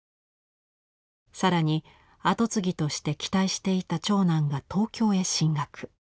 更に後継ぎとして期待していた長男が東京へ進学。